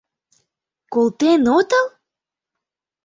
— Колтен отыл?